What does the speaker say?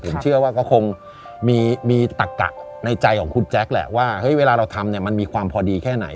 ผมเชื่อว่าก็คงมีตักกะในใจของคุณแจ๊คแหละว่าเฮ้ยเวลาเราทำเนี่ยมันมีความพอดีแค่ไหน